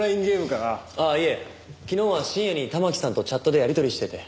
昨日は深夜に環さんとチャットでやり取りしてて。